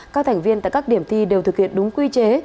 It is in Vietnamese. các thành viên tại các điểm thi đều thực hiện đúng quy chế